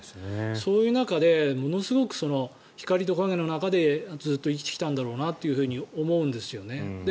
そういう中でものすごく光と影の中でずっと生きてきたんだろうなと思うんですよね。